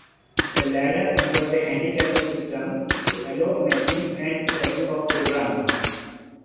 The ladder employs a handicapping system to allow matching and tracking of programs.